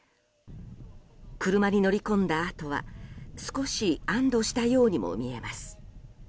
車に乗り込んだあとは少し安堵したようにも見えます。